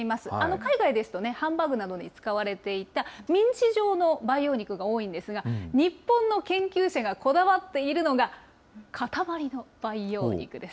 海外ですと、ハンバーグなどに使われていたミンチ状の培養肉が多いんですが、日本の研究者がこだわっているのが、塊の培養肉です。